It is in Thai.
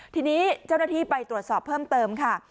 ทีนี้เจ้าหน้าที่ไปตรวจสอบเพิ่มเติมค่ะ